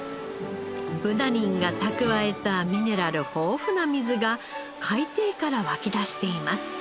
ブナ林が蓄えたミネラル豊富な水が海底から湧き出しています。